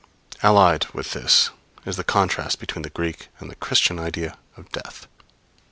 Allied with this is the contrast between the Greek and the Christian idea of death.